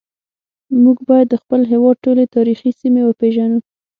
موږ باید د خپل هیواد ټولې تاریخي سیمې وپیژنو